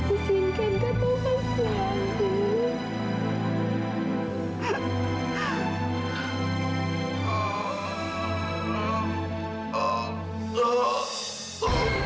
izinkan kak taufan pulang bu